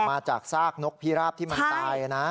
มาจากซากนกพิราบที่มันตายนะ